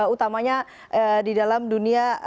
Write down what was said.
utamanya di dalam dunia